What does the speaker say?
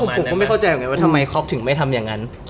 ผมก็ไม่เข้าใจว่าทำไมคอปถึงไม่ทำอย่างนั้น